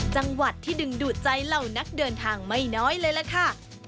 จังหวัดที่ดึงดูดใจเหล่านักเดินทางไม่น้อยเลยล่ะค่ะ